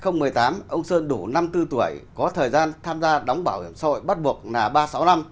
nếu ông sơn đủ năm mươi bốn tuổi có thời gian tham gia đóng bảo hiểm xã hội bắt buộc là ba mươi sáu năm